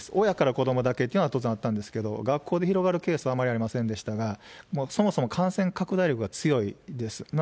親から子どもだけっていうのは当然あったんですけれども、学校で広がるケースはあまりありませんでしたが、もうそもそも感染拡大力が強いです。